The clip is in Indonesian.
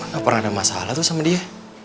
gak pernah ada masalah tuh sama dia